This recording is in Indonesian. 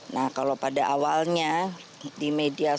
nah kalau pada awalnya di media sosial